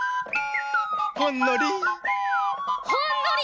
ほんのり。